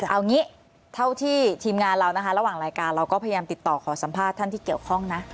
เอางี้เท่าที่ทีมงานเรานะคะระหว่างรายการเราก็พยายามติดต่อขอสัมภาษณ์ท่านที่เกี่ยวข้องนะ